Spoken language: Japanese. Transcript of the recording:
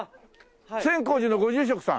千光寺のご住職さん？